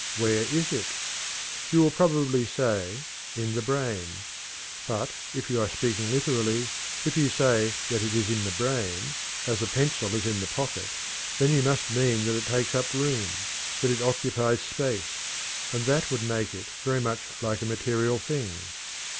Where is it? You will probably say, in the brain. But, if you are speaking literally, if you say that it is in the brain, as a pencil is in the pocket, then you must mean that it takes up room, that it occupies space, and that would make it very much like a material thing.